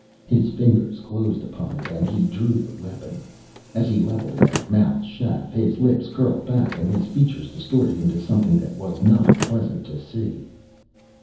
His fingers closed upon it and he drew the weapon. As he leveled it at Mal Shaff, his lips curled back and his features distorted into something that was not pleasant to see.